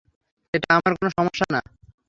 এটা আমার কোনো সমস্যা না।